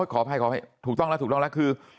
ขออภัยขอให้ถูกต้องแล้วถูกต้องแล้วคือ